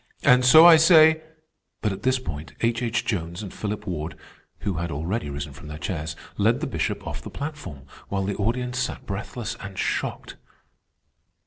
And so I say—" But at this point H. H. Jones and Philip Ward, who had already risen from their chairs, led the Bishop off the platform, while the audience sat breathless and shocked.